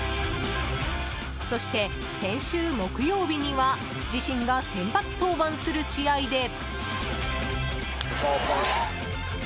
そして、先週木曜日には自身が先発登板する試合で。